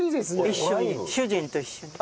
一緒に主人と一緒に。